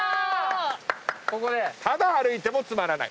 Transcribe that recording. ただ歩いてもつまらない。